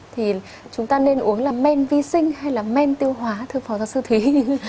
thì chúng ta nên uống là men vi sinh hay là men tiêu hóa thưa phó giáo sư thúy